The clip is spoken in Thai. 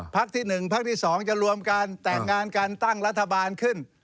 ภาคที่หนึ่งภาคที่สองจะรวมกันแต่งงานกันตั้งรัฐบาลขึ้น